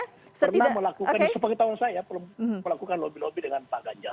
saya pernah melakukan sepengetahuan saya melakukan lobby lobby dengan pak ganjar